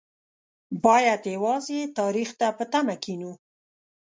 باید یوازې تاریخ ته په تمه کېنو.